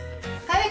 はい！